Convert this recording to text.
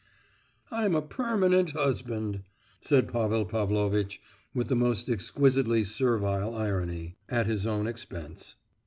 "I'm a permanent husband," said Pavel Pavlovitch, with the most exquisitely servile irony, at his own expense.